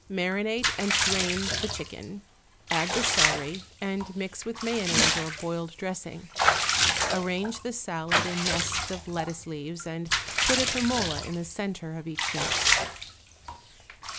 Marinate and drain the chicken, add the celery, and mix with mayonnaise or boiled dressing. Arrange the salad in nests of lettuce leaves and put a pim ola in the centre of each nest.